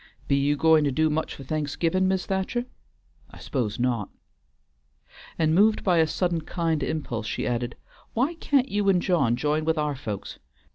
Be you going to do much for Thanksgivin', Mis' Thacher? I 'spose not;" and moved by a sudden kind impulse, she added, "Why can't you and John jine with our folks?